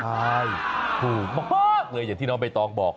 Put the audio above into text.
ใช่ถูกมากเลยอย่างที่น้องใบตองบอก